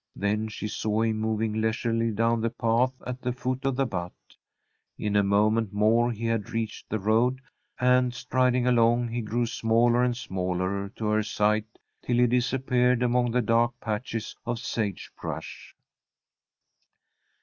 Then she saw him moving leisurely down the path at the foot of the butte. In a moment more he had reached the road, and, striding along, he grew smaller and smaller to her sight till he disappeared among the dark patches of sage brush.